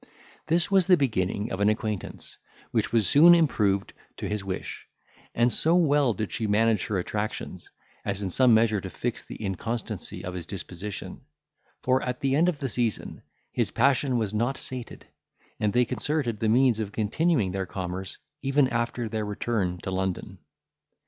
This was the beginning of an acquaintance, which was soon improved to his wish; and so well did she manage her attractions, as in some measure to fix the inconstancy of his disposition; for, at the end of the season, his passion was not sated; and they concerted the means of continuing their commerce, even after their return to London.